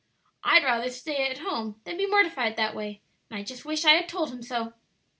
I'd rather stay at home than be mortified that way, and I just wish I had told him so."